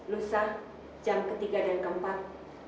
lusa yang ketiga dan keempat